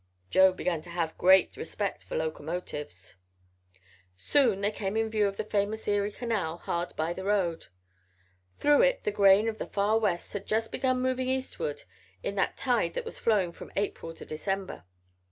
Joe began to have great respect for locomotives. Soon they came in view of the famous Erie Canal, hard by the road. Through it the grain of the far West had just begun moving eastward in a tide that was flowing from April to December.